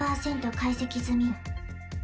解析済み。